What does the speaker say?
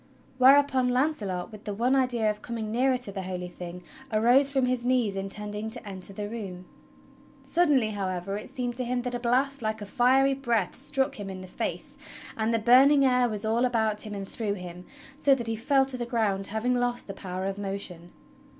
Whereupon Launcelot, with the one idea of coming nearer to the Holy Thing, arose from his knees intending to enter the room. Suddenly, however, it seemed to him that a blast like a fiery breath struck him in the face, and the burning air was all about him and through him, so that he fell to the ground, having lost the power of motion.